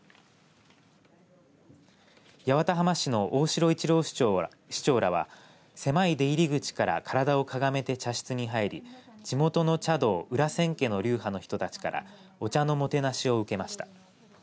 八幡浜市の大城一郎市長らは狭い出入り口から体をかがめて茶室に入り地元の茶道、裏千家の流派の人たちからお茶のもてなしを受けました。